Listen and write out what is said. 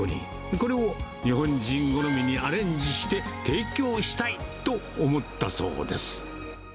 これを日本人好みにアレンジして提供したいと思ったそうです。